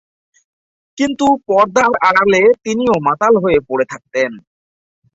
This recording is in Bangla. কিন্তু পর্দার আড়ালে তিনিও মাতাল হয়ে পড়ে থাকতেন।